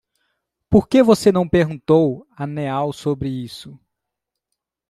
Por que você não perguntou a Neal sobre isso?